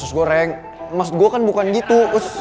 usus goreng maksud gue kan bukan gitu